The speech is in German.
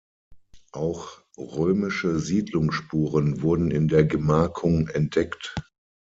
Auch römische Siedlungsspuren wurden in der Gemarkung entdeckt.